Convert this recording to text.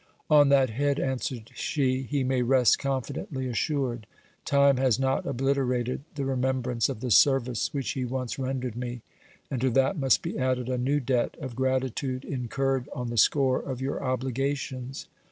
On that head, answered she, he may rest confidently as sured ; time has not obliterated the remembrance of the service which he once rendered me, and to that must be added a new debt of gratitude incurred on the score of your obligations.